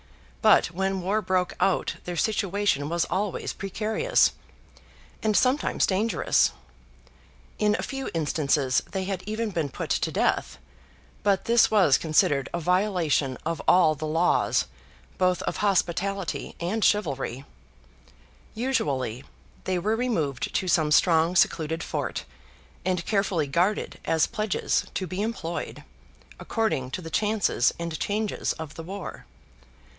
But when war broke out their situation was always precarious, and sometimes dangerous. In a few instances they had even been put to death, but this was considered a violation of all the laws both of hospitality and chivalry; usually they were removed to some strong secluded fort, and carefully guarded as pledges to be employed, according to the chances and changes of the war.